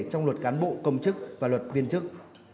trong luật cán bộ công chức và luật viên chức